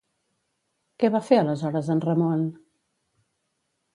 Què va fer aleshores en Ramon?